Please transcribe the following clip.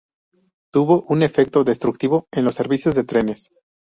Tuvo un efecto destructivo en los servicios de trenes.